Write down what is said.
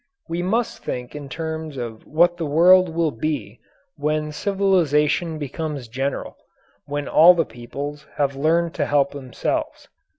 We must think in terms of what the world will be when civilization becomes general, when all the peoples have learned to help themselves.